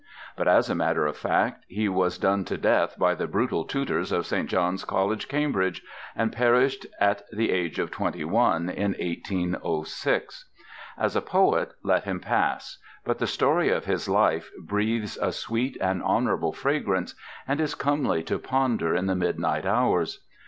But as a matter of fact, he was done to death by the brutal tutors of St. John's College, Cambridge, and perished at the age of twenty one, in 1806. As a poet, let him pass; but the story of his life breathes a sweet and honourable fragrance, and is comely to ponder in the midnight hours.